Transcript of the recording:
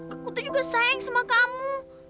aku tuh juga sayang sama kamu